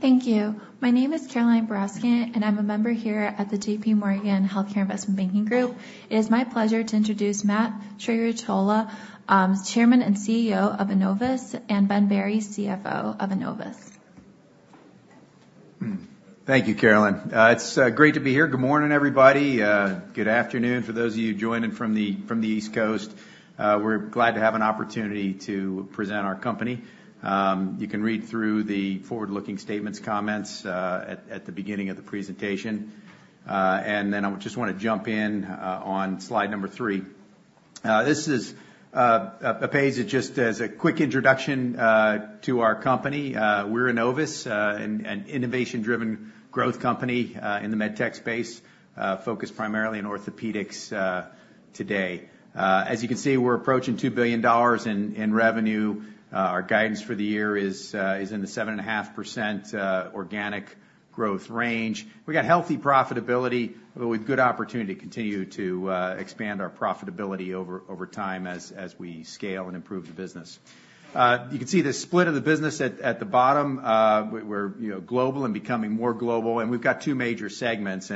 Thank you. My name is Caroline Borowski, and I'm a member here at the J.P. Morgan Healthcare Investment Banking Group. It is my pleasure to introduce Matt Trerotola, Chairman and CEO of Enovis, and Ben Berry, CFO of Enovis. Thank you, Caroline. It's great to be here. Good morning, everybody. Good afternoon for those of you joining from the East Coast. We're glad to have an opportunity to present our company. You can read through the forward-looking statements comments at the beginning of the presentation. Then I just wanna jump in on slide number three. This is a page that just as a quick introduction to our company. We're Enovis, an innovation-driven growth company in the med tech space, focused primarily in orthopedics today. As you can see, we're approaching $2 billion in revenue. Our guidance for the year is in the 7.5% organic growth range. We got healthy profitability, but with good opportunity to continue to expand our profitability over time as we scale and improve the business. You can see the split of the business at the bottom. We're, you know, global and becoming more global, and we've got two major segments.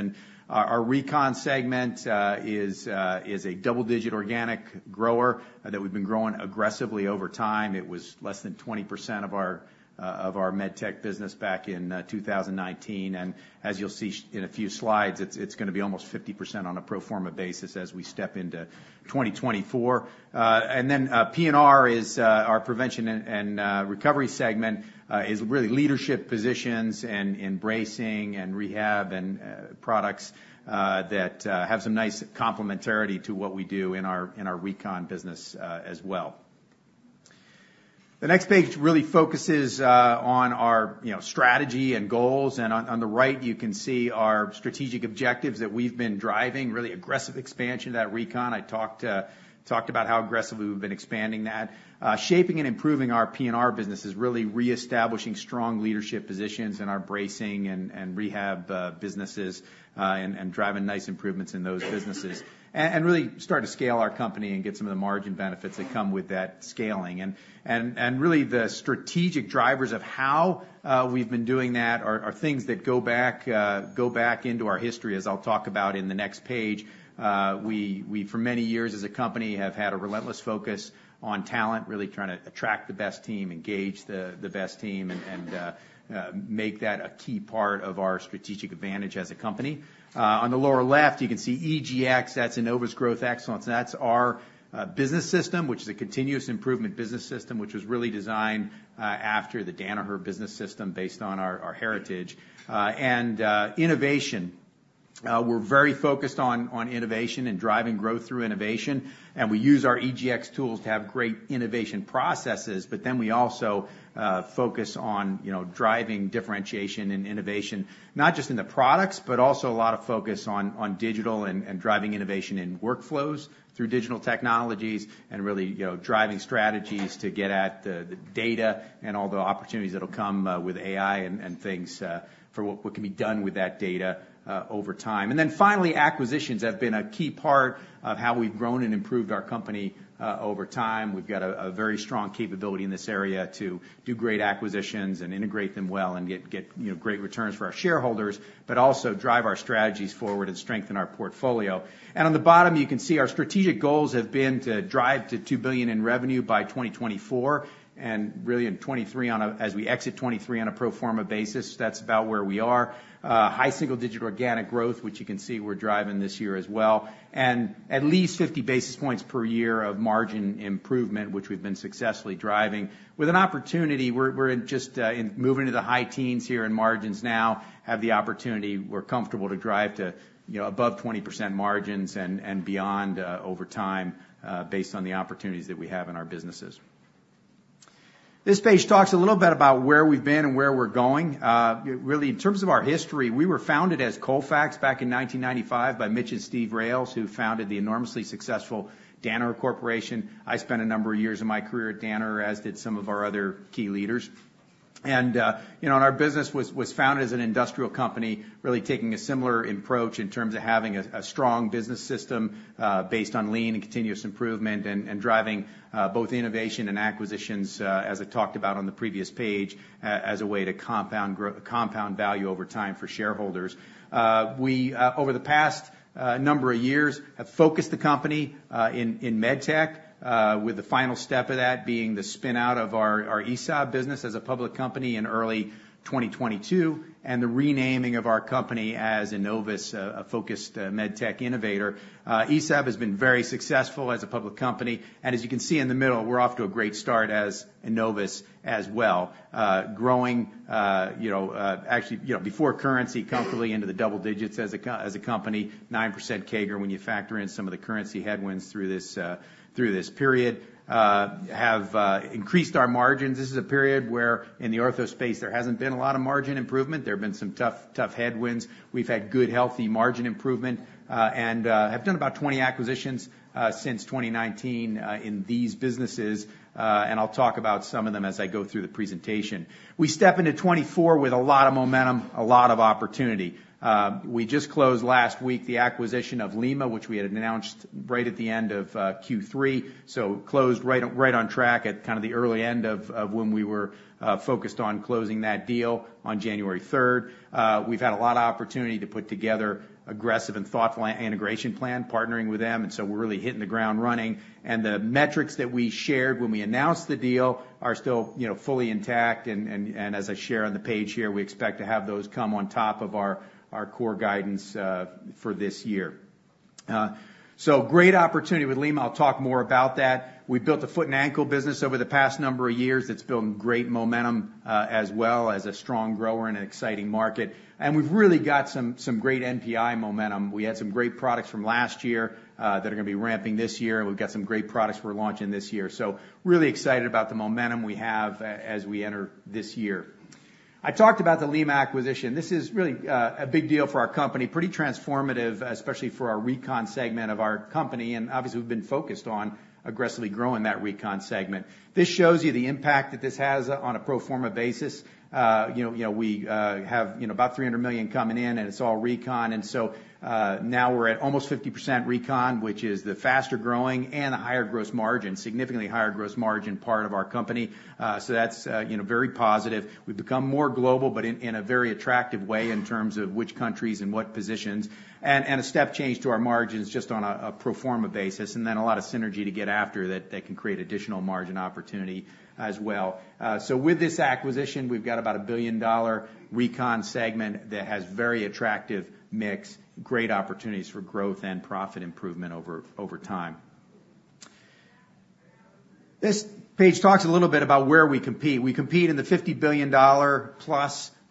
Our Recon segment is a double-digit organic grower that we've been growing aggressively over time. It was less than 20% of our med tech business back in 2019, and as you'll see in a few slides, it's gonna be almost 50% on a pro forma basis as we step into 2024. And then, P&R is our Prevention and Recovery segment, is really leadership positions and embracing and rehab and products that have some nice complementarity to what we do in our Recon business, as well. The next page really focuses on our, you know, strategy and goals, and on the right, you can see our strategic objectives that we've been driving, really aggressive expansion of that Recon. I talked about how aggressively we've been expanding that. Shaping and improving our P&R business is really reestablishing strong leadership positions in our bracing and rehab businesses, and driving nice improvements in those businesses. And really start to scale our company and get some of the margin benefits that come with that scaling. Really, the strategic drivers of how we've been doing that are things that go back into our history, as I'll talk about in the next page. We, for many years as a company, have had a relentless focus on talent, really trying to attract the best team, engage the best team, and make that a key part of our strategic advantage as a company. On the lower left, you can see EGX. That's Enovis Growth Excellence. That's our business system, which is a continuous improvement business system, which was really designed after the Danaher business system based on our heritage. And innovation. We're very focused on innovation and driving growth through innovation, and we use our EGX tools to have great innovation processes. But then we also focus on, you know, driving differentiation and innovation, not just in the products, but also a lot of focus on digital and driving innovation in workflows through digital technologies and really, you know, driving strategies to get at the data and all the opportunities that'll come with AI and things for what can be done with that data over time. And then finally, acquisitions have been a key part of how we've grown and improved our company over time. We've got a very strong capability in this area to do great acquisitions and integrate them well and get, you know, great returns for our shareholders, but also drive our strategies forward and strengthen our portfolio. On the bottom, you can see our strategic goals have been to drive to $2 billion in revenue by 2024, and really in 2023 on a pro forma basis, that's about where we are. High single-digit organic growth, which you can see we're driving this year as well, and at least 50 basis points per year of margin improvement, which we've been successfully driving. With an opportunity, we're just moving to the high teens here in margins now, have the opportunity, we're comfortable to drive to, you know, above 20% margins and beyond over time, based on the opportunities that we have in our businesses. This page talks a little bit about where we've been and where we're going. Really, in terms of our history, we were founded as Colfax back in 1995 by Mitch and Steve Rales, who founded the enormously successful Danaher Corporation. I spent a number of years of my career at Danaher, as did some of our other key leaders. You know, our business was founded as an industrial company, really taking a similar approach in terms of having a strong business system based on lean and continuous improvement and driving both innovation and acquisitions, as I talked about on the previous page, as a way to compound value over time for shareholders. We, over the past number of years, have focused the company in med tech, with the final step of that being the spin-out of our ESAB business as a public company in early 2022, and the renaming of our company as Enovis, a focused med tech innovator. ESAB has been very successful as a public company, and as you can see in the middle, we're off to a great start as Enovis as well. Growing, you know, actually, you know, before currency, comfortably into the double digits as a company, 9% CAGR, when you factor in some of the currency headwinds through this period. Have increased our margins. This is a period where in the ortho space, there hasn't been a lot of margin improvement. There have been some tough, tough headwinds. We've had good, healthy margin improvement, and have done about 20 acquisitions since 2019 in these businesses, and I'll talk about some of them as I go through the presentation. We step into 2024 with a lot of momentum, a lot of opportunity. We just closed last week the acquisition of Lima, which we had announced right at the end of Q3. So closed right on track at kind of the early end of when we were focused on closing that deal on January 3rd. We've had a lot of opportunity to put together aggressive and thoughtful integration plan, partnering with them, and so we're really hitting the ground running. And the metrics that we shared when we announced the deal are still, you know, fully intact, and as I share on the page here, we expect to have those come on top of our core guidance for this year. So great opportunity with Lima. I'll talk more about that. We've built a foot and ankle business over the past number of years. It's building great momentum, as well as a strong grower in an exciting market, and we've really got some great NPI momentum. We had some great products from last year that are gonna be ramping this year, and we've got some great products we're launching this year. So really excited about the momentum we have as we enter this year. I talked about the Lima acquisition. This is really a big deal for our company, pretty transformative, especially for our Recon segment of our company, and obviously, we've been focused on aggressively growing that Recon segment. This shows you the impact that this has on a pro forma basis. You know, you know, we have you know about $300 million coming in, and it's all Recon. And so now we're at almost 50% Recon, which is the faster growing and a higher gross margin, significantly higher gross margin part of our company. So that's you know very positive. We've become more global, but in a very attractive way in terms of which countries and what positions, and a step change to our margins just on a pro forma basis, and then a lot of synergy to get after that, that can create additional margin opportunity as well. So with this acquisition, we've got about a $1 billion recon segment that has very attractive mix, great opportunities for growth and profit improvement over time. This page talks a little bit about where we compete. We compete in the $50 billion+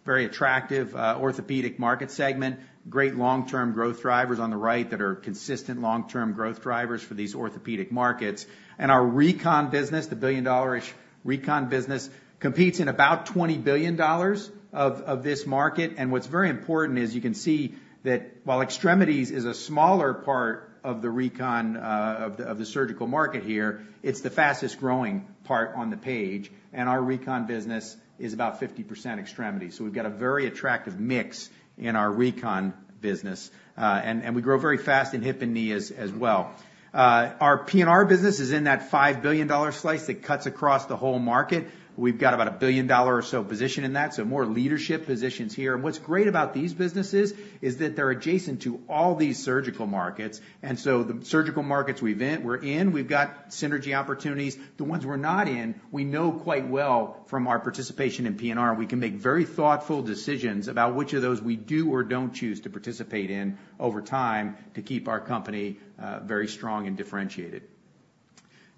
very attractive orthopedic market segment, great long-term growth drivers on the right that are consistent long-term growth drivers for these orthopedic markets. Our Recon business, the $1 billion Recon business, competes in about $20 billion of this market, and what's very important is you can see that while extremities is a smaller part of the Recon, of the surgical market here, it's the fastest-growing part on the page, and our Recon business is about 50% extremity. So we've got a very attractive mix in our Recon business, and we grow very fast in hip and knee as well. Our PNR business is in that $5 billion slice that cuts across the whole market. We've got about a $1 billion or so position in that, so more leadership positions here. What's great about these businesses is that they're adjacent to all these surgical markets, and so the surgical markets we're in, we've got synergy opportunities. The ones we're not in, we know quite well from our participation in P&R, we can make very thoughtful decisions about which of those we do or don't choose to participate in over time to keep our company very strong and differentiated.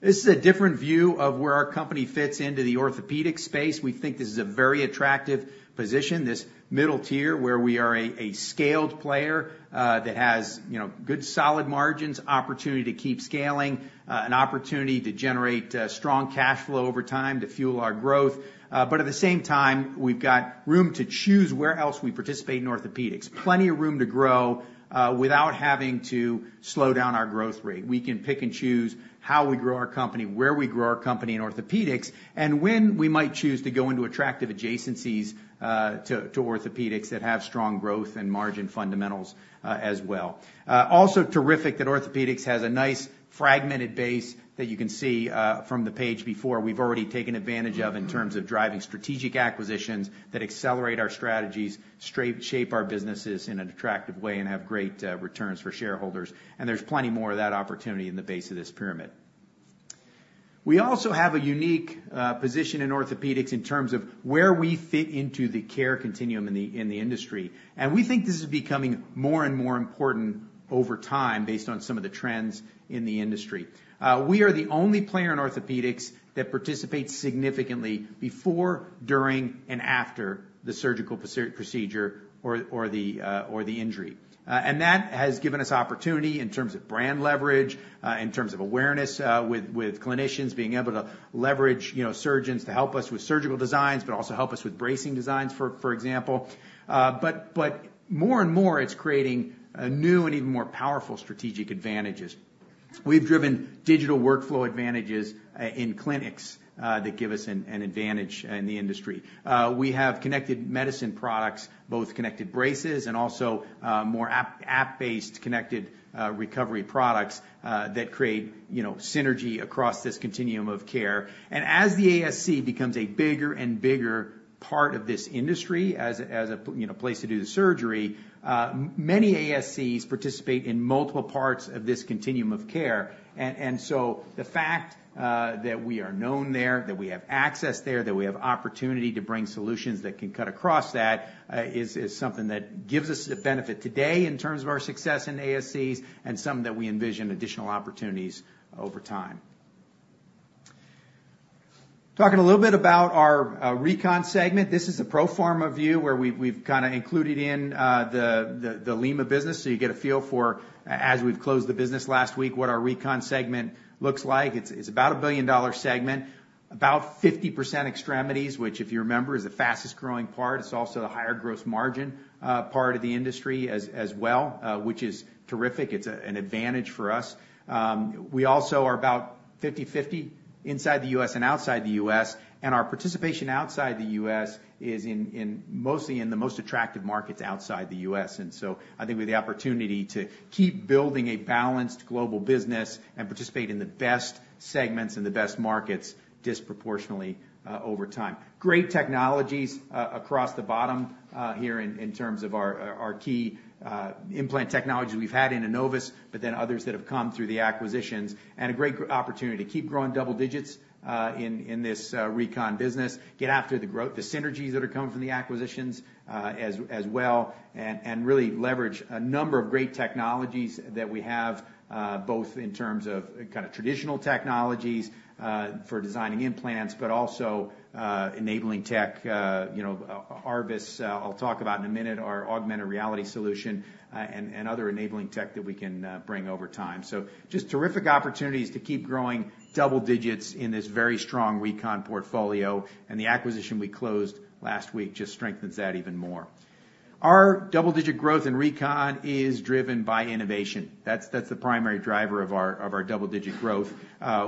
This is a different view of where our company fits into the orthopedic space. We think this is a very attractive position, this middle tier, where we are a scaled player that has, you know, good, solid margins, opportunity to keep scaling, an opportunity to generate strong cash flow over time to fuel our growth. But at the same time, we've got room to choose where else we participate in orthopedics. Plenty of room to grow without having to slow down our growth rate. We can pick and choose how we grow our company, where we grow our company in orthopedics, and when we might choose to go into attractive adjacencies to orthopedics that have strong growth and margin fundamentals, as well. Also terrific that orthopedics has a nice fragmented base that you can see from the page before. We've already taken advantage of in terms of driving strategic acquisitions that accelerate our strategies, shape our businesses in an attractive way, and have great returns for shareholders, and there's plenty more of that opportunity in the base of this pyramid. We also have a unique position in orthopedics in terms of where we fit into the care continuum in the industry. We think this is becoming more and more important over time, based on some of the trends in the industry. We are the only player in orthopedics that participates significantly before, during, and after the surgical procedure or the injury. And that has given us opportunity in terms of brand leverage, in terms of awareness with clinicians, being able to leverage, you know, surgeons to help us with surgical designs, but also help us with bracing designs, for example. But more and more, it's creating new and even more powerful strategic advantages. We've driven digital workflow advantages in clinics that give us an advantage in the industry. We have connected medicine products, both connected braces and also more app-based connected recovery products that create, you know, synergy across this continuum of care. As the ASC becomes a bigger and bigger part of this industry, as a you know place to do the surgery, many ASCs participate in multiple parts of this continuum of care. So the fact that we are known there, that we have access there, that we have opportunity to bring solutions that can cut across that, is something that gives us the benefit today in terms of our success in ASCs and something that we envision additional opportunities over time. Talking a little bit about our Recon segment. This is a pro forma view, where we've kind of included in the Lima business, so you get a feel for as we've closed the business last week, what our Recon segment looks like. It's about a $1 billion segment, about 50% extremities, which, if you remember, is the fastest growing part. It's also the higher gross margin part of the industry as well, which is terrific. It's an advantage for us. We also are about 50/50 inside the U.S. and outside the U.S., and our participation outside the U.S. is in mostly in the most attractive markets outside the U.S. And so I think with the opportunity to keep building a balanced global business and participate in the best segments and the best markets disproportionately over time. Great technologies across the bottom here in terms of our key implant technologies we've had in Enovis, but then others that have come through the acquisitions. A great opportunity to keep growing double digits in this Recon business, get after the growth, the synergies that are coming from the acquisitions, as well, and really leverage a number of great technologies that we have, both in terms of kind of traditional technologies for designing implants, but also enabling tech, you know, ARVIS, I'll talk about in a minute, our augmented reality solution, and other enabling tech that we can bring over time. So just terrific opportunities to keep growing double digits in this very strong Recon portfolio, and the acquisition we closed last week just strengthens that even more. Our double-digit growth in Recon is driven by innovation. That's the primary driver of our double-digit growth.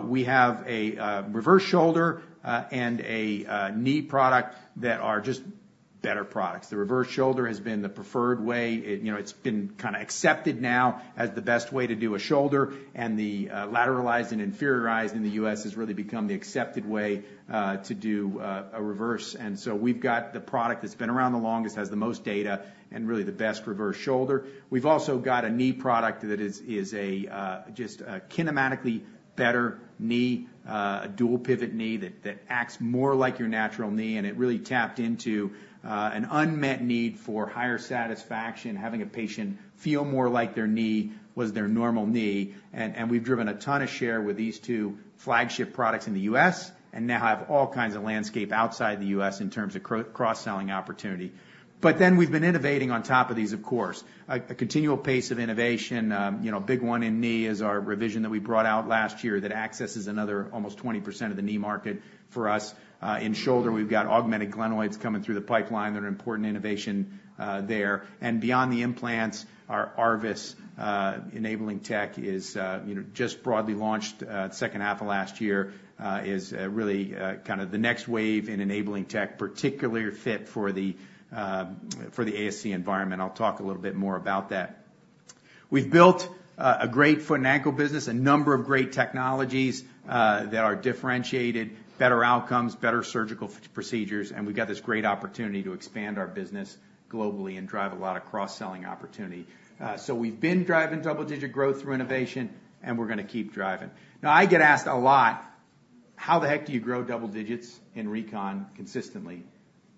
We have a reverse shoulder and a knee product that are just better products. The reverse shoulder has been the preferred way. It, you know, it's been kind of accepted now as the best way to do a shoulder, and the lateralized and inferiorized in the U.S. has really become the accepted way to do a reverse. And so we've got the product that's been around the longest, has the most data, and really the best reverse shoulder. We've also got a knee product that is a just a kinematically better knee, a dual pivot knee that acts more like your natural knee, and it really tapped into an unmet need for higher satisfaction, having a patient feel more like their knee was their normal knee. We've driven a ton of share with these two flagship products in the U.S., and now have all kinds of landscape outside the U.S. in terms of cross-selling opportunity. But then we've been innovating on top of these, of course, a continual pace of innovation. You know, big one in knee is our revision that we brought out last year, that accesses another almost 20% of the knee market for us. In shoulder, we've got augmented glenoid coming through the pipeline. They're an important innovation there. And beyond the implants, our ARVIS enabling tech is, you know, just broadly launched second half of last year, is really kind of the next wave in enabling tech, particularly fit for the ASC environment. I'll talk a little bit more about that. We've built a great foot and ankle business, a number of great technologies that are differentiated, better outcomes, better surgical procedures, and we've got this great opportunity to expand our business globally and drive a lot of cross-selling opportunity. So we've been driving double-digit growth through innovation, and we're gonna keep driving. Now, I get asked a lot: How the heck do you grow double digits in Recon consistently,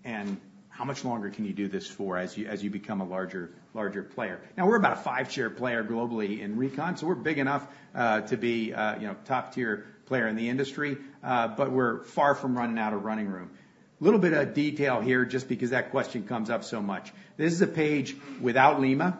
and how much longer can you do this for as you become a larger player? Now, we're about a five share player globally in Recon, so we're big enough to be a, you know, top-tier player in the industry, but we're far from running out of running room. A little bit of detail here, just because that question comes up so much. This is a page without Lima,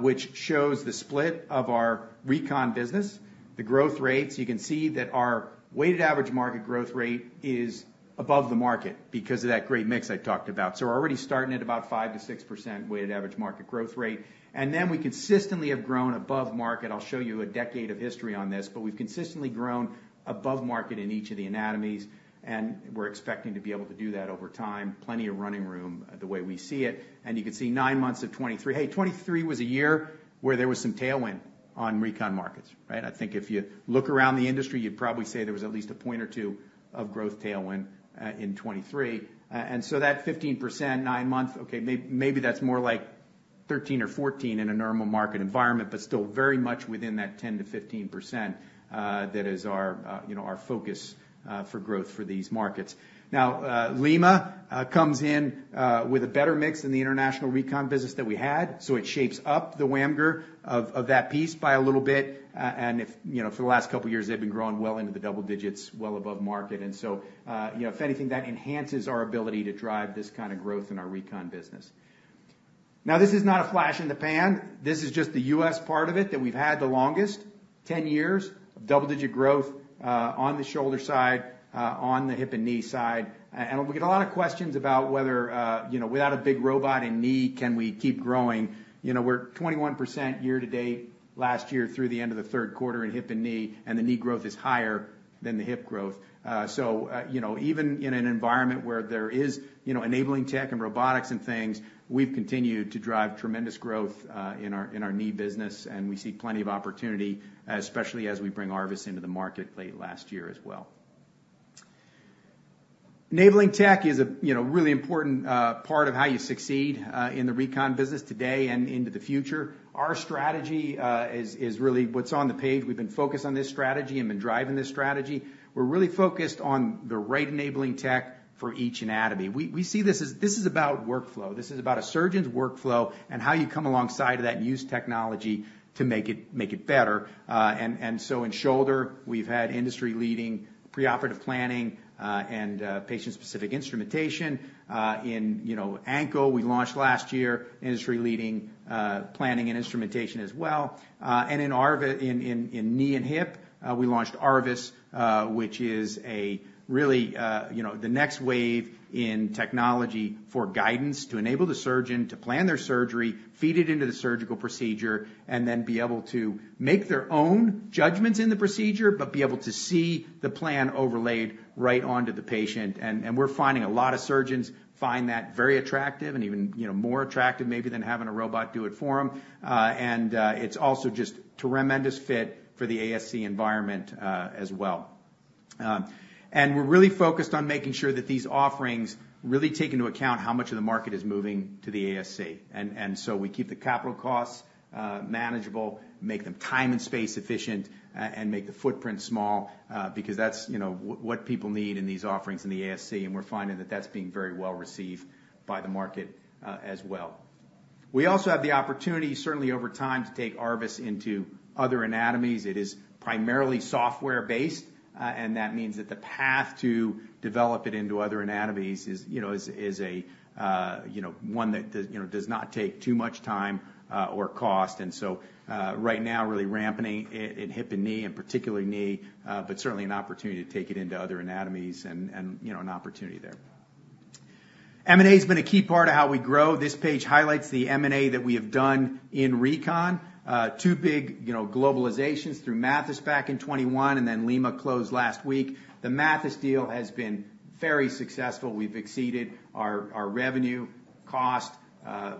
which shows the split of our Recon business. The growth rates, you can see that our weighted average market growth rate is above the market because of that great mix I talked about. So we're already starting at about 5%-6% weighted average market growth rate, and then we consistently have grown above market. I'll show you a decade of history on this, but we've consistently grown above market in each of the anatomies, and we're expecting to be able to do that over time. Plenty of running room, the way we see it. And you can see nine months of 2023. Hey, 2023 was a year where there was some tailwind on Recon markets, right? I think if you look around the industry, you'd probably say there was at least a point or two of growth tailwind in 2023. And so that 15%, 9 months, okay, maybe that's more like 13% or 14% in a normal market environment, but still very much within that 10%-15%, that is our, you know, our focus for growth for these markets. Now, Lima comes in with a better mix in the international Recon business than we had, so it shapes up the WAMGR of that piece by a little bit. And if, You know, for the last couple of years, they've been growing well into the double digits, well above market. And so, you know, if anything, that enhances our ability to drive this kind of growth in our Recon business. Now, this is not a flash in the pan. This is just the U.S. part of it, that we've had the longest. 10 years of double-digit growth, on the shoulder side, on the hip and knee side. And we get a lot of questions about whether, you know, without a big robot in knee, can we keep growing? You know, we're 21% year to date last year through the end of the Q3 in hip and knee, and the knee growth is higher than the hip growth. So, you know, even in an environment where there is, you know, enabling tech and robotics and things, we've continued to drive tremendous growth, in our knee business, and we see plenty of opportunity, especially as we bring ARVIS into the market late last year as well. Enabling tech is a, you know, really important, part of how you succeed, in the Recon business today and into the future. Our strategy is really what's on the page. We've been focused on this strategy and been driving this strategy. We're really focused on the right enabling tech for each anatomy. We see this, this is about workflow. This is about a surgeon's workflow and how you come alongside of that and use technology to make it better. So in shoulder, we've had industry-leading preoperative planning and patient-specific instrumentation. You know, in ankle, we launched last year, industry-leading planning and instrumentation as well. And in knee and hip, we launched ARVIS, which is a really, you know, the next wave in technology for guidance to enable the surgeon to plan their surgery, feed it into the surgical procedure, and then be able to make their own judgments in the procedure, but be able to see the plan overlaid right onto the patient. And we're finding a lot of surgeons find that very attractive and even, you know, more attractive maybe than having a robot do it form. And it's also just tremendous fit for the ASC environment, as well. And we're really focused on making sure that these offerings really take into account how much of the market is moving to the ASC. And so we keep the capital costs manageable, make them time and space efficient, and make the footprint small, because that's, you know, what people need in these offerings in the ASC, and we're finding that that's being very well received by the market, as well. We also have the opportunity, certainly over time, to take ARVIS into other anatomies. It is primarily software-based, and that means that the path to develop it into other anatomies is, you know, one that does, you know, does not take too much time or cost. So, right now, we're really ramping it in hip and knee, and particularly knee, but certainly an opportunity to take it into other anatomies and, you know, an opportunity there. M&A has been a key part of how we grow. This page highlights the M&A that we have done in Recon. Two big, you know, globalizations through Mathys back in 2021, and then Lima closed last week. The Mathys deal has been very successful. We've exceeded our revenue, cost,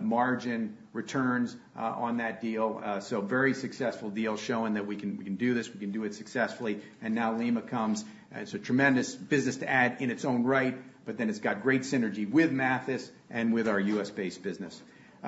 margin, returns on that deal. So very successful deal, showing that we can, we can do this, we can do it successfully. And now Lima comes. It's a tremendous business to add in its own right, but then it's got great synergy with Mathys and with our U.S. based business.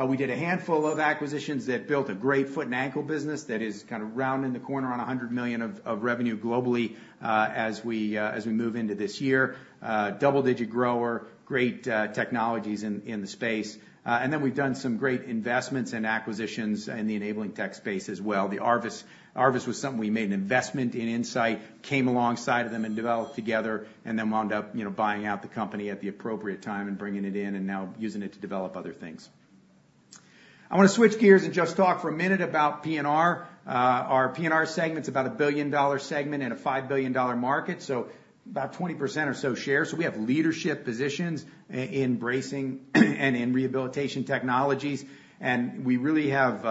We did a handful of acquisitions that built a great foot and ankle business that is kind of rounding the corner on $100 million of revenue globally, as we move into this year. Double-digit grower, great technologies in the space. And then we've done some great investments and acquisitions in the enabling tech space as well. The ARVIS. ARVIS was something we made an investment in Insight, came alongside of them and developed together, and then wound up, you know, buying out the company at the appropriate time and bringing it in and now using it to develop other things. I wanna switch gears and just talk for a minute about PNR. Our PNR segment's about a $1 billion segment in a $5 billion market, so about 20% or so share. So we have leadership positions in bracing and in rehabilitation technologies. And we really have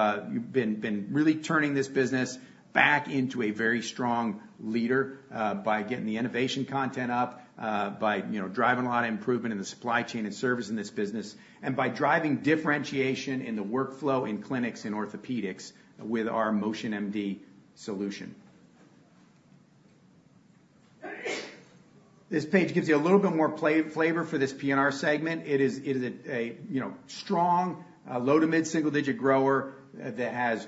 been really turning this business back into a very strong leader by getting the innovation content up by you know driving a lot of improvement in the supply chain and service in this business and by driving differentiation in the workflow in clinics and orthopedics with our MotionMD solution. This page gives you a little bit more flavor for this P&R segment. It is a you know strong low to mid-single digit grower that has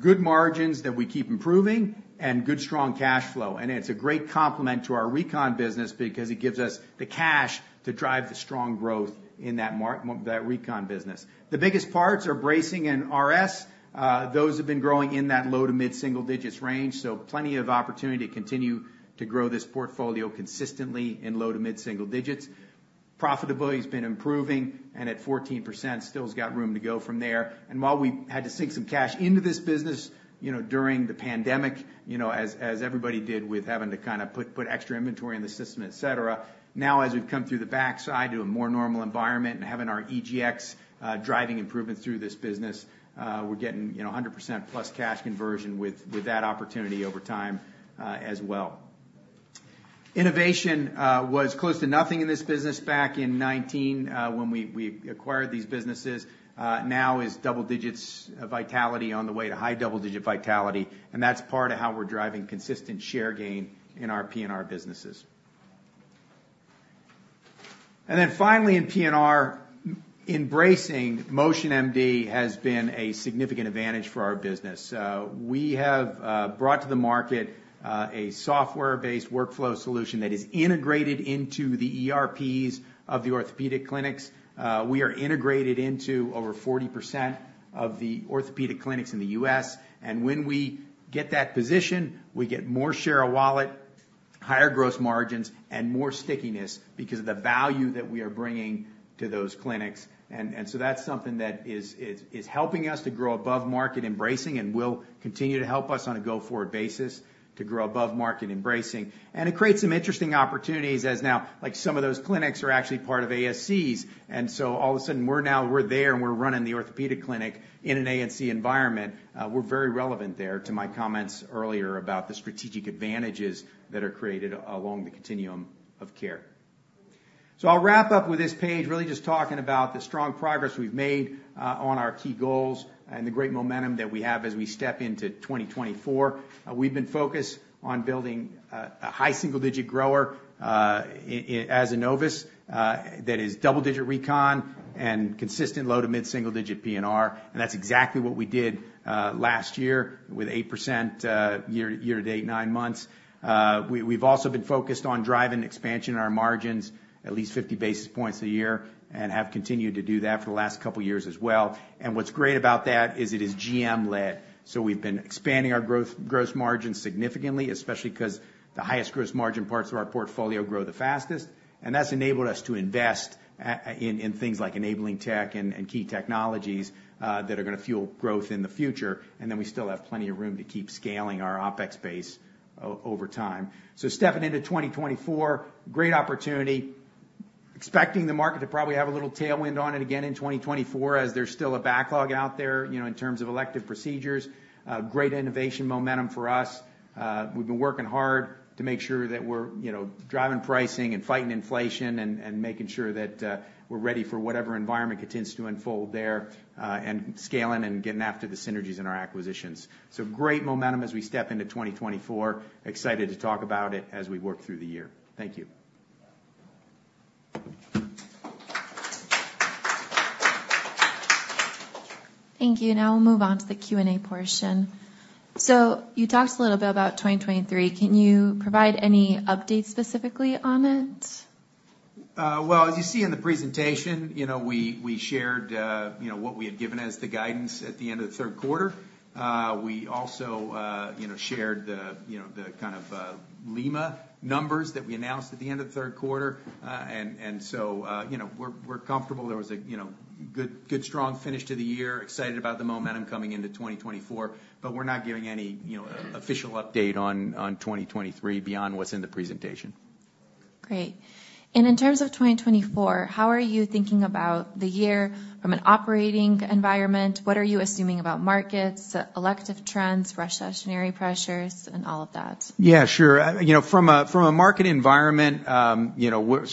good margins that we keep improving and good strong cash flow. And it's a great complement to our Recon business because it gives us the cash to drive the strong growth in that Recon business. The biggest parts are bracing and RS. Those have been growing in that low to mid-single digits range, so plenty of opportunity to continue to grow this portfolio consistently in low to mid-single digits. Profitability's been improving, and at 14%, still has got room to go from there. While we had to sink some cash into this business, you know, during the pandemic, you know, as everybody did, with having to kind of put extra inventory in the system, et cetera, now, as we've come through the backside to a more normal environment and having our EGX driving improvements through this business, we're getting, you know, 100% plus cash conversion with that opportunity over time, as well. Innovation was close to nothing in this business back in 2019, when we acquired these businesses. Now is double digits, vitality on the way to high double-digit vitality, and that's part of how we're driving consistent share gain in our PNR businesses. Then finally, in PNR, embracing MotionMD has been a significant advantage for our business. We have brought to the market a software-based workflow solution that is integrated into the ERPs of the orthopedic clinics. We are integrated into over 40% of the orthopedic clinics in the U.S. And when we get that position, we get more share of wallet, higher gross margins, and more stickiness because of the value that we are bringing to those clinics. So that's something that is helping us to grow above market in bracing and will continue to help us on a go-forward basis to grow above market in bracing. It creates some interesting opportunities, as now, like, some of those clinics are actually part of ASCs, and so all of a sudden, we're now, we're there, and we're running the orthopedic clinic in an ASC environment. We're very relevant there, to my comments earlier about the strategic advantages that are created along the continuum of care. So I'll wrap up with this page, really just talking about the strong progress we've made on our key goals and the great momentum that we have as we step into 2024. We've been focused on building a high single-digit grower as Enovis, that is double-digit Recon and consistent low to mid-single-digit P&R, and that's exactly what we did last year, with 8% year-to-date nine months. We've also been focused on driving expansion in our margins at least 50 basis points a year, and have continued to do that for the last couple of years as well. And what's great about that is it is GM led. So we've been expanding our gross margin significantly, especially 'cause the highest gross margin parts of our portfolio grow the fastest, and that's enabled us to invest in things like enabling tech and key technologies that are gonna fuel growth in the future. And then we still have plenty of room to keep scaling our OpEx base over time. So stepping into 2024, great opportunity. Expecting the market to probably have a little tailwind on it again in 2024, as there's still a backlog out there, you know, in terms of elective procedures. Great innovation momentum for us. We've been working hard to make sure that we're, you know, driving pricing and fighting inflation and making sure that we're ready for whatever environment continues to unfold there, and scaling and getting after the synergies in our acquisitions. So great momentum as we step into 2024. Excited to talk about it as we work through the year. Thank you. Thank you. Now we'll move on to the Q&A portion. So you talked a little bit about 2023. Can you provide any updates specifically on it? Well, as you see in the presentation, you know, we, we shared, you know, what we had given as the guidance at the end of the Q3. We also, you know, shared the, you know, the kind of, Lima numbers that we announced at the end of the Q3. And, and so, you know, we're, we're comfortable. Good, good, strong finish to the year, excited about the momentum coming into 2024, but we're not giving any, you know, official update on 2023 beyond what's in the presentation. Great. In terms of 2024, how are you thinking about the year from an operating environment? What are you assuming about markets, elective trends, recessionary pressures, and all of that? Yeah, sure. You know, from a market environment, you know, we're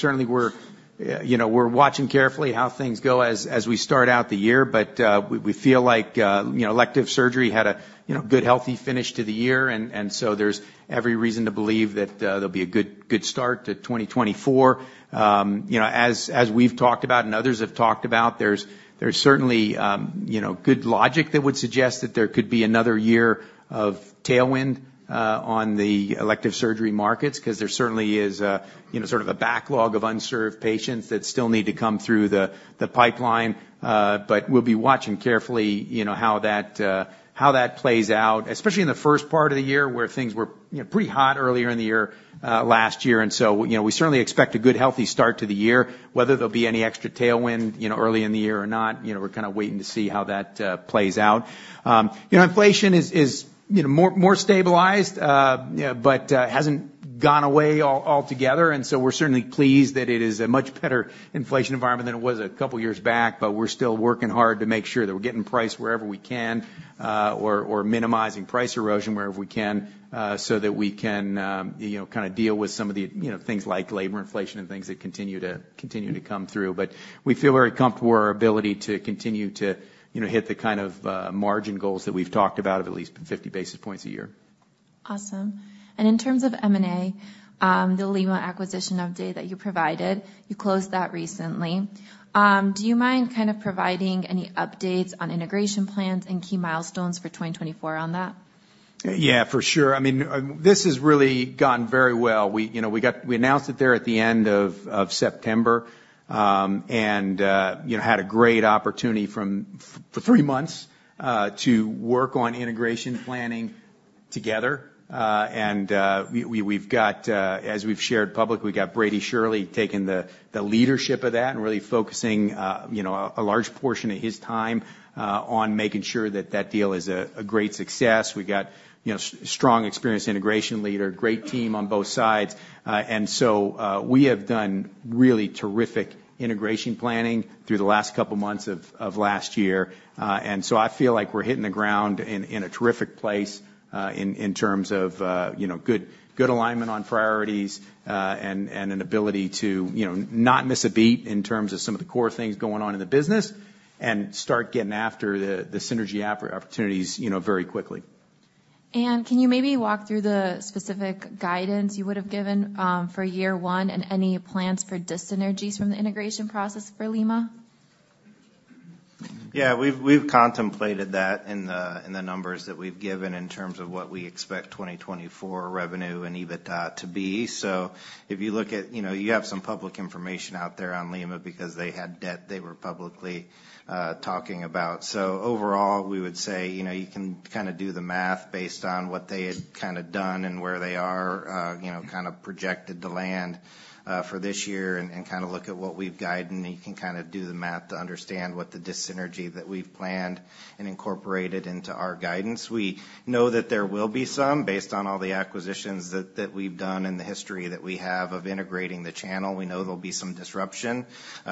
certainly watching carefully how things go as we start out the year. But, we feel like, you know, elective surgery had a, you know, good, healthy finish to the year, and so there's every reason to believe that, there'll be a good start to 2024. You know, as we've talked about and others have talked about, there's certainly, you know, good logic that would suggest that there could be another year of tailwind on the elective surgery markets, 'cause there certainly is a, you know, sort of a backlog of unserved patients that still need to come through the pipeline. But we'll be watching carefully, you know, how that plays out, especially in the first part of the year, where things were, you know, pretty hot earlier in the year, last year. And so, you know, we certainly expect a good, healthy start to the year. Whether there'll be any extra tailwind, you know, early in the year or not, you know, we're kind of waiting to see how that plays out. You know, inflation is, you know, more stabilized, but hasn't gone away altogether. So we're certainly pleased that it is a much better inflation environment than it was a couple of years back, but we're still working hard to make sure that we're getting price wherever we can, or, or minimizing price erosion wherever we can, so that we can, you know, kind of deal with some of the, you know, things like labor inflation and things that continue to come through. But we feel very comfortable with our ability to continue to, you know, hit the kind of margin goals that we've talked about of at least 50 basis points a year. Awesome. And in terms of M&A, the Lima acquisition update that you provided, you closed that recently. Do you mind kind of providing any updates on integration plans and key milestones for 2024 on that? Yeah, for sure. I mean, this has really gone very well. We, you know, we announced it there at the end of September, and, you know, had a great opportunity for three months to work on integration planning together. And, we, we've got, as we've shared publicly, we've got Brady Shirley taking the leadership of that and really focusing, you know, a large portion of his time on making sure that that deal is a great success. We got, you know, strong, experienced integration leader, great team on both sides. And so, we have done really terrific integration planning through the last couple of months of last year. So I feel like we're hitting the ground in a terrific place in terms of you know good alignment on priorities and an ability to you know not miss a beat in terms of some of the core things going on in the business and start getting after the synergy opportunities you know very quickly. Can you maybe walk through the specific guidance you would have given for year one, and any plans for dyssynergias from the integration process for Lima? Yeah, we've contemplated that in the numbers that we've given in terms of what we expect 2024 revenue and EBITDA to be. So if you look at, You know, you have some public information out there on Lima because they had debt they were publicly talking about. So overall, we would say, you know, you can kind of do the math based on what they had kind of done and where they are, you know, kind of projected to land for this year and kind of look at what we've guided, and you can kind of do the math to understand what the dyssynergia that we've planned and incorporated into our guidance. We know that there will be some, based on all the acquisitions that we've done and the history that we have of integrating the channel. We know there'll be some disruption,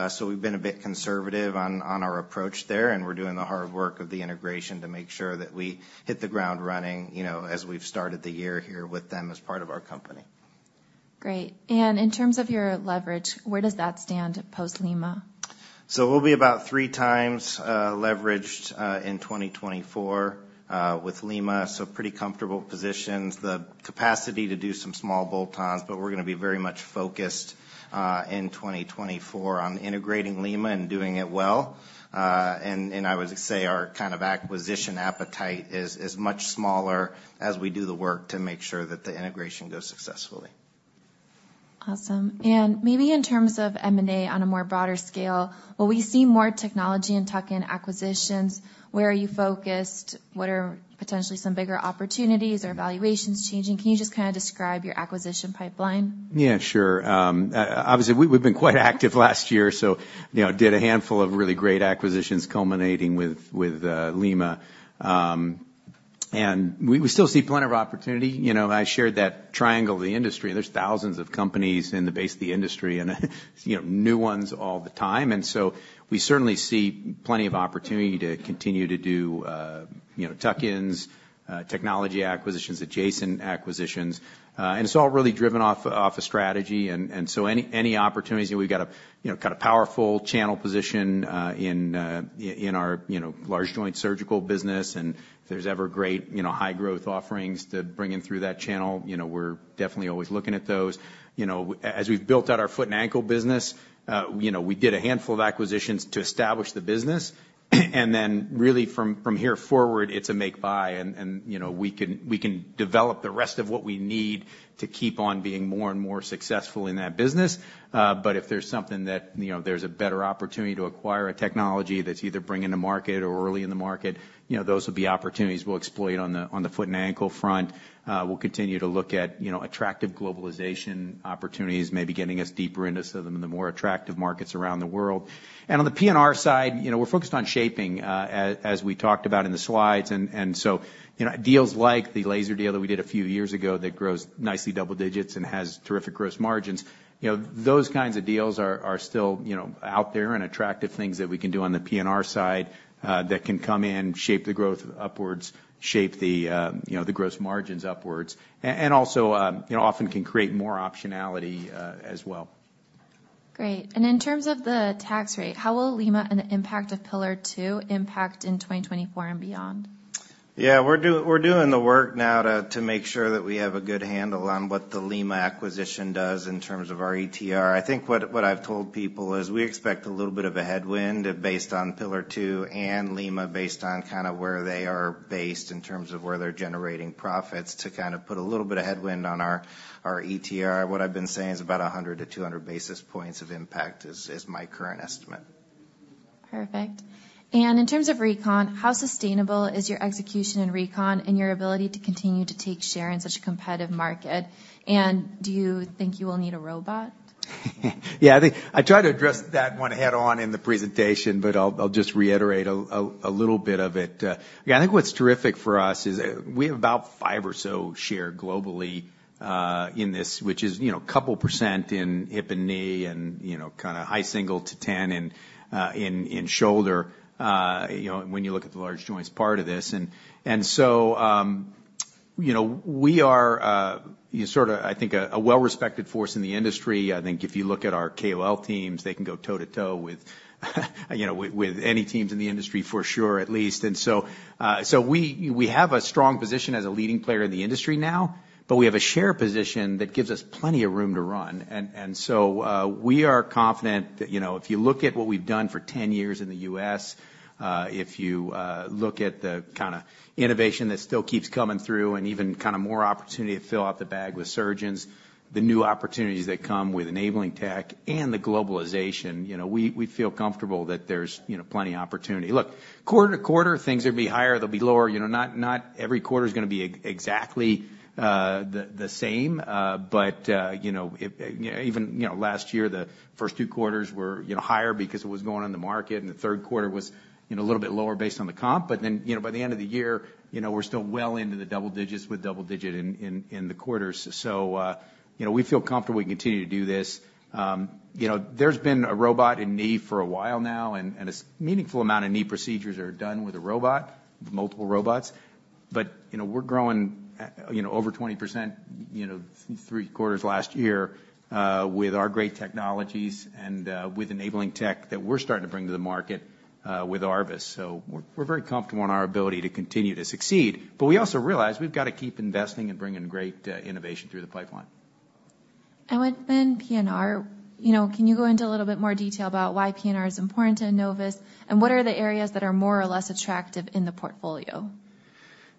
so we've been a bit conservative on our approach there, and we're doing the hard work of the integration to make sure that we hit the ground running, you know, as we've started the year here with them as part of our company. Great. In terms of your leverage, where does that stand post Lima? We'll be about three times leveraged in 2024 with Lima, so pretty comfortable positions. The capacity to do some small bolt pass, but we're going to be very much focused in 2024 on integrating Lima and doing it well. And I would say our kind of acquisition appetite is much smaller as we do the work to make sure that the integration goes successfully. Awesome. Maybe in terms of M&A on a more broader scale, will we see more technology and tuck-in acquisitions? Where are you focused? What are potentially some bigger opportunities? Are valuations changing? Can you just kind of describe your acquisition pipeline? Yeah, sure. Obviously, we've been quite active last year, so, you know, did a handful of really great acquisitions, culminating with Lima. And we still see plenty of opportunity. You know, I shared that triangle of the industry, and there's thousands of companies in the base of the industry and, you know, new ones all the time. And so we certainly see plenty of opportunity to continue to do, you know, tuck-ins, technology acquisitions, adjacent acquisitions, and it's all really driven off a strategy. So any opportunities, you know, we've got a, you know, kind of powerful channel position in our, you know, large joint surgical business, and if there's ever great, you know, high growth offerings to bring in through that channel, you know, we're definitely always looking at those. You know, as we've built out our foot and ankle business, you know, we did a handful of acquisitions to establish the business. And then really, from here forward, it's a make-buy, and you know, we can develop the rest of what we need to keep on being more and more successful in that business. But if there's something that you know, there's a better opportunity to acquire a technology that's either bringing to market or early in the market, you know, those would be opportunities we'll exploit on the foot and ankle front. We'll continue to look at you know, attractive globalization opportunities, maybe getting us deeper into some of the more attractive markets around the world. And on the P&R side, you know, we're focused on shaping, as we talked about in the slides. You know, deals like the laser deal that we did a few years ago, that grows nicely double digits and has terrific gross margins, you know, those kinds of deals are still, you know, out there and attractive things that we can do on the P&R side, that can come in, shape the growth upwards, shape the, you know, the gross margins upwards, and also, you know, often can create more optionality, as well. Great. In terms of the tax rate, how will Lima and the impact of Pillar Two impact in 2024 and beyond? Yeah, we're doing the work now to make sure that we have a good handle on what the Lima acquisition does in terms of our ETR. I think what I've told people is we expect a little bit of a headwind based on Pillar Two and Lima, based on kind of where they are based in terms of where they're generating profits, to kind of put a little bit of headwind on our ETR. What I've been saying is about 100-200 basis points of impact is my current estimate. Perfect. In terms of Recon, how sustainable is your execution in Recon and your ability to continue to take share in such a competitive market? Do you think you will need a robot? Yeah, I think I tried to address that one head-on in the presentation, but I'll just reiterate a little bit of it. Yeah, I think what's terrific for us is we have about five or so share globally in this, which is, you know, 2% in hip and knee and, you know, kind of high single to 10 in shoulder. You know, when you look at the large joints part of this. So, you know, we are I think a well-respected force in the industry. I think if you look at our KOL teams, they can go toe-to-toe with, you know, with any teams in the industry, for sure, at least. So, we have a strong position as a leading player in the industry now, but we have a share position that gives us plenty of room to run. So, we are confident that, you know, if you look at what we've done for 10 years in the U.S., if you look at the kind of innovation that still keeps coming through, and even kind of more opportunity to fill out the bag with surgeons, the new opportunities that come with enabling tech and the globalization, you know, we feel comfortable that there's, you know, plenty of opportunity. Look, quarter to quarter, things will be higher, they'll be lower. You know, not every quarter is going to be exactly the same. But, you know, it even, you know, last year, the first two quarters were, you know, higher because it was going on in the market, and the Q3 was, you know, a little bit lower based on the comp. But then, you know, by the end of the year, you know, we're still well into the double digits with double digit in the quarters. So, you know, we feel comfortable we can continue to do this. You know, there's been a robot in knee for a while now, and a meaningful amount of knee procedures are done with a robot, multiple robots. But, you know, we're growing, you know, over 20%, you know, three quarters last year, with our great technologies and with enabling tech that we're starting to bring to the market, with ARVIS. So we're very comfortable in our ability to continue to succeed, but we also realize we've got to keep investing and bringing great innovation through the pipeline. Within P&R, you know, can you go into a little bit more detail about why P&R is important to Enovis? What are the areas that are more or less attractive in the portfolio?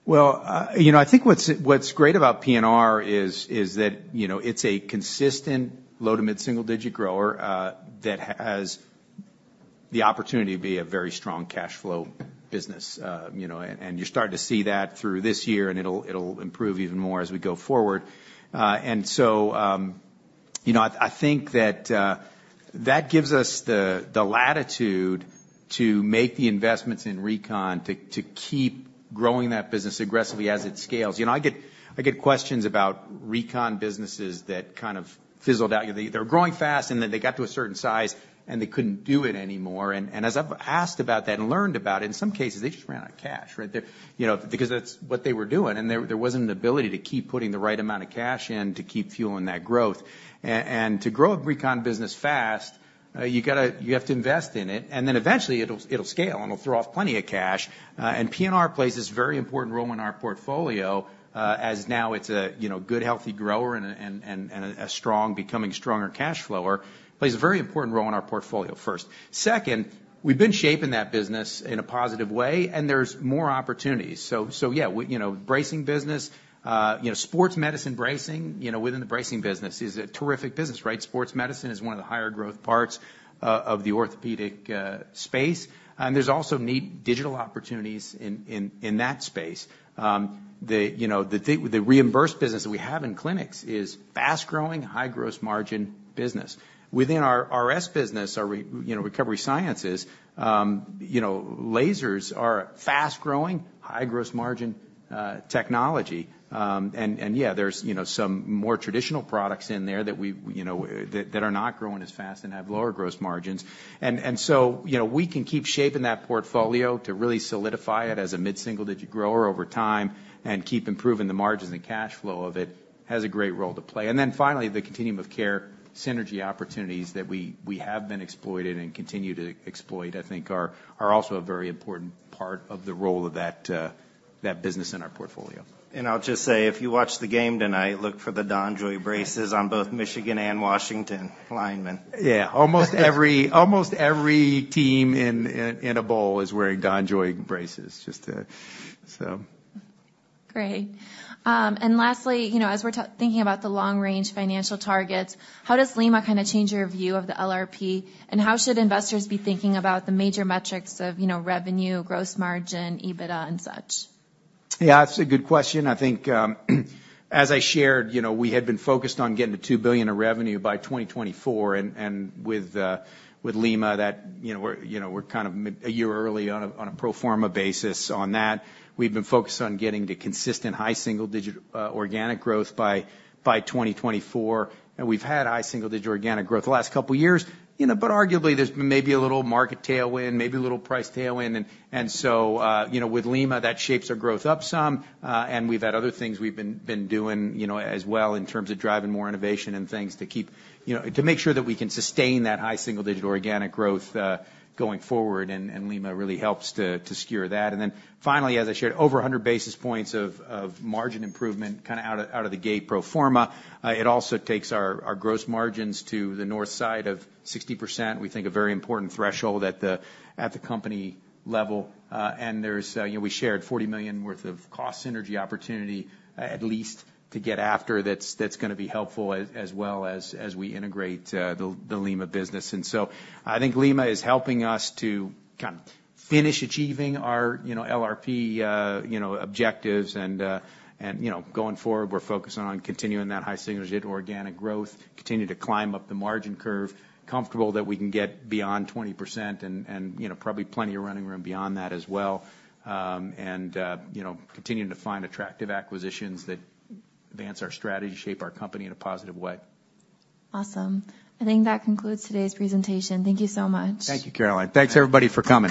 Well, you know, I think what's great about P&R is that, you know, it's a consistent low- to mid-single-digit grower that has the opportunity to be a very strong cash flow business. You know, and you're starting to see that through this year, and it'll improve even more as we go forward. And so, you know, I think that that gives us the latitude to make the investments in Recon to keep growing that business aggressively as it scales. You know, I get questions about Recon businesses that kind of fizzled out. They're growing fast, and then they got to a certain size, and they couldn't do it anymore. And as I've asked about that and learned about it, in some cases, they just ran out of cash, right? They're you know, because that's what they were doing, and there wasn't an ability to keep putting the right amount of cash in to keep fueling that growth. And to grow a Recon business fast, you got to you have to invest in it, and then eventually it'll scale, and it'll throw off plenty of cash. And P&R plays this very important role in our portfolio, as now it's a you know, good, healthy grower and a strong becoming stronger cash flow. Plays a very important role in our portfolio, first. Second, we've been shaping that business in a positive way, and there's more opportunities. So yeah, we you know, bracing business, you know, sports medicine bracing, you know, within the bracing business is a terrific business, right? Sports medicine is one of the higher growth parts of the orthopedic space. And there's also neat digital opportunities in that space. The, you know, the reimbursed business that we have in clinics is fast-growing, high gross margin business. Within our RS business, our, you know, recovery sciences, you know, lasers are a fast-growing, high gross margin technology. And yeah, there's, you know, some more traditional products in there that we, you know, that are not growing as fast and have lower gross margins. And so, you know, we can keep shaping that portfolio to really solidify it as a mid-single digit grower over time and keep improving the margins and cash flow of it, has a great role to play. And then finally, the continuum of care synergy opportunities that we have been exploited and continue to exploit, I think, are also a very important part of the role of that that business in our portfolio. I'll just say, if you watch the game tonight, look for the DonJoy braces on both Michigan and Washington linemen. Yeah. Almost every team in a bowl is wearing DonJoy braces, just to. So. Great. And lastly, you know, as we're thinking about the long-range financial targets, how does Lima kind of change your view of the LRP? And how should investors be thinking about the major metrics of, you know, revenue, gross margin, EBITDA, and such? Yeah, that's a good question. I think, as I shared, you know, we had been focused on getting to $2 billion of revenue by 2024, and with Lima, that, you know, we're kind of a year early on a pro forma basis on that. We've been focused on getting to consistent high single-digit organic growth by 2024, and we've had high single-digit organic growth the last couple of years. You know, but arguably, there's maybe a little market tailwind, maybe a little price tailwind. And so, you know, with Lima, that shapes our growth up some. And we've had other things we've been doing, you know, as well, in terms of driving more innovation and things to keep, you know, to make sure that we can sustain that high single digit organic growth going forward, and Lima really helps to secure that. And then finally, as I shared, over 100 basis points of margin improvement, kind of out of the gate pro forma. It also takes our gross margins to the north side of 60%. We think a very important threshold at the company level. And there's, you know, we shared $40 million worth of cost synergy opportunity, at least to get after, that's gonna be helpful as well as we integrate the Lima business. So I think Lima is helping us to kind of finish achieving our, you know, LRP, you know, objectives. And you know, going forward, we're focusing on continuing that high single digit organic growth, continue to climb up the margin curve, comfortable that we can get beyond 20% and you know, probably plenty of running room beyond that as well. You know, continuing to find attractive acquisitions that advance our strategy, shape our company in a positive way. Awesome. I think that concludes today's presentation. Thank you so much. Thank you, Caroline. Thanks, everybody, for coming.